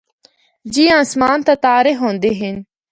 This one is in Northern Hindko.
جِیّاں اسمان تے تارے ہوندے ہن۔